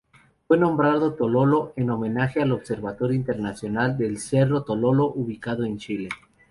Fue nombrado Tololo en homenaje al Observatorio Interamericano del Cerro Tololo ubicado en Chile.